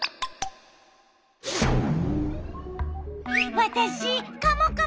わたしカモカモ！